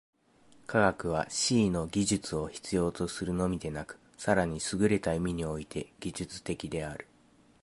科学は思惟の技術を必要とするのみでなく、更にすぐれた意味において技術的である。